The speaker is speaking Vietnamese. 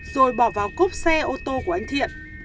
rồi bỏ vào cốp xe ô tô của anh thiện